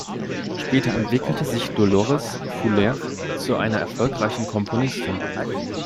Später entwickelte sich Dolores Fuller zu einer erfolgreichen Komponistin.